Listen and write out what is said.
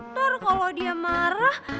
ntar kalau dia marah